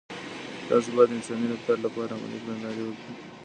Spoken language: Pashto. تاسو باید د انساني رفتار لپاره عملي کړنلارې وړاندې کړئ.